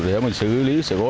để mình xử lý sở hữu